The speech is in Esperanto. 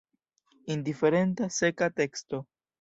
Indiferenta, seka teksto!